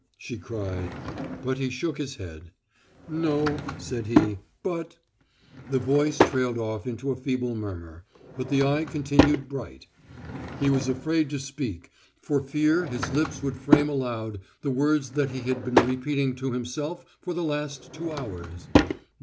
she cried. But he shook his head. "No," said he, "but—" The voice trailed off into a feeble murmur, but the eye continued bright. He was afraid to speak for fear his lips would frame aloud the words that he had been repeating to himself for the last two hours.